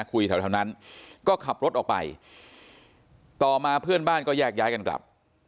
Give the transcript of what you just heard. คุยแถวนั้นก็ขับรถออกไปต่อมาเพื่อนบ้านก็แยกย้ายกันกลับ